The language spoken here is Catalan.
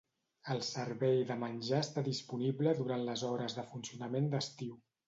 El servei de menjar està disponible durant les hores de funcionament d'estiu.